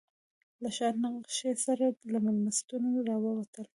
له ښار نقشې سره له مېلمستونه راووتلو.